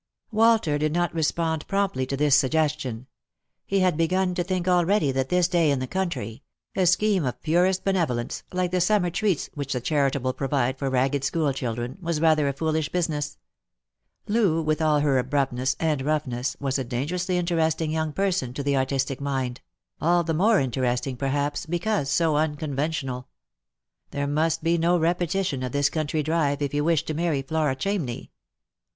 Walter did not respond promptly to this suggestion. He had begun to think already that this day in the country — a scheme of purest benevolence, like the summer treats which the charitable provide for ragged school children — was rather a foolish business. Loo, with all her abruptness and roughness, was a dangerously interesting young person to the artistic mind — all the more interesting, perhaps, because so unconventional. There must be no repetition of this country drive, if he wished to marry Flora Chamney.